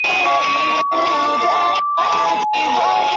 横纹寡毛叶蚤为金花虫科寡毛叶蚤属下的一个种。